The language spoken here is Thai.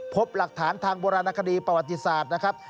พบหลักฐานทางโบราณคดีประวัติศาสตร์นะครับ